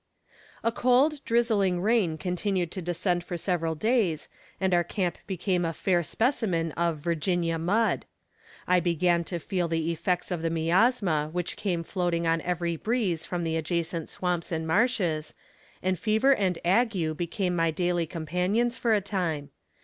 A cold, drizzling rain continued to descend for several days, and our camp became a fair specimen of "Virginia mud." I began to feel the effects of the miasma which came floating on every breeze from the adjacent swamps and marshes, and fever and ague became my daily companions for a time.